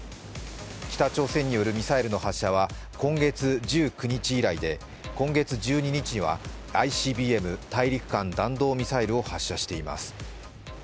北朝鮮によるミサイル発射は今月１９日以来で、今月１２日にはＩＣＢＭ＝大陸間弾道ミサイルを発射しています。